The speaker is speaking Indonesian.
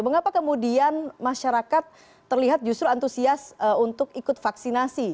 mengapa kemudian masyarakat terlihat justru antusias untuk ikut vaksinasi